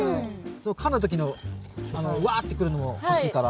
かんだ時のワーってくるのも欲しいから。